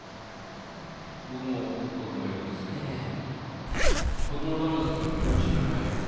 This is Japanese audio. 僕も子供がいるんですけど子供のためだったら命要らないよね